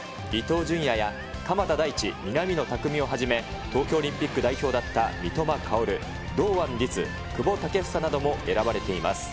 伊東純也や鎌田大地、南野拓実をはじめ、東京オリンピック代表だった三笘薫、堂安律、久保建英なども選ばれています。